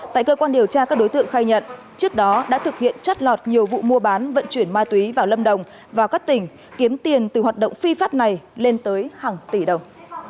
tại cơ quan điều tra các đối tượng khai nhận trước đó đã thực hiện trót lọt nhiều vụ mua bán vận chuyển ma túy vào lâm đồng và các tỉnh kiếm tiền từ hoạt động phi pháp này lên tới hàng tỷ đồng